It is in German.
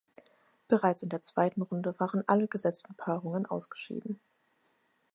Bereits in der zweiten Runde waren alle gesetzten Paarungen ausgeschieden.